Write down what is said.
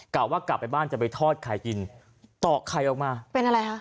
ว่ากลับไปบ้านจะไปทอดไข่กินตอกไข่ออกมาเป็นอะไรคะ